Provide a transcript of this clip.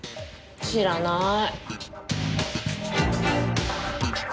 知らない。